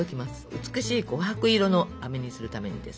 美しい琥珀色のあめにするためにです。